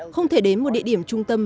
không thể đến một địa điểm trung tâm